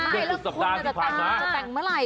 เกือบสัปดาห์ที่ผ่านมา